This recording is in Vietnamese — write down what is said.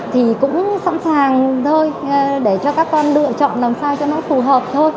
thì cũng sẵn sàng thôi để cho các con lựa chọn làm sao cho nó phù hợp thôi